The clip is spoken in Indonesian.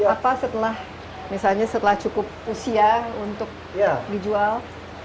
apa setelah misalnya setelah cukup usia untuk dijual